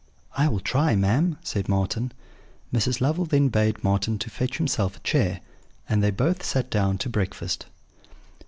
"'I will try, ma'am,' said Marten. "Mrs. Lovel then bade Marten fetch himself a chair, and they both sat down to breakfast.